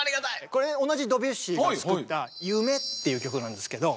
これ同じドビュッシーが作った「夢」っていう曲なんですけど。